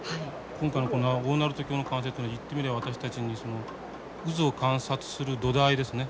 今回のこの大鳴門橋の完成というのは言ってみれば私たちにその渦を観察する土台ですね